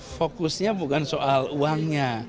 fokusnya bukan soal uangnya